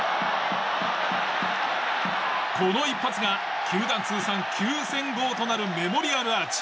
この一発が球団通算９０００号となるメモリアルアーチ。